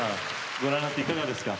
ご覧になっていかがですか？